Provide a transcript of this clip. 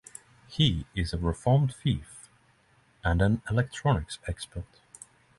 He is a reformed thief and an electronics expert.